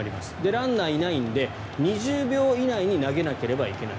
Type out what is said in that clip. ランナーがいないので２０秒以内に投げなければいけない。